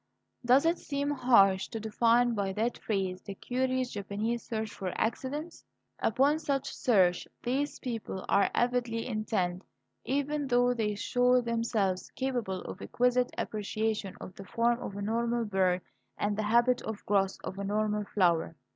Does it seem harsh to define by that phrase the curious Japanese search for accidents? Upon such search these people are avowedly intent, even though they show themselves capable of exquisite appreciation of the form of a normal bird and of the habit of growth of a normal flower.